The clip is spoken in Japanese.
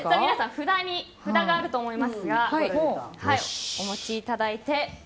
皆さん、札があると思いますがお持ちいただいて。